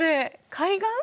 海岸？